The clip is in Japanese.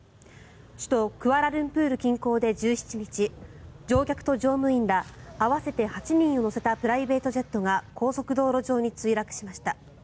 首都クアラルンプール近郊で１７日乗客と乗務員ら合わせて８人を乗せたプライベートジェットが高速道路上に墜落しました。